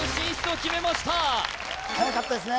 はやかったですね